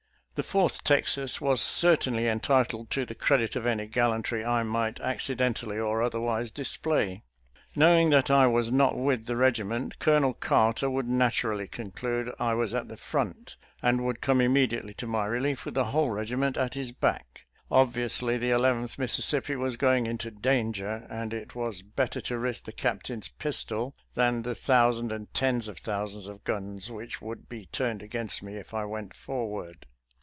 The Fourth Texas was certainly entitled to the credit of any gallantry I might accident ally or otherwise display. Knowing that I was not with the regiment, Colonel Carter would nat urally conclude I was at the front, and would come immediately to my relief with the whole regiment at his back. Obviously the Eleventh Mississippi was going into danger, and it was bet ter to risk the captain's pistol than the thousand and tens of thousands of guns which would be turned against me if I went forward.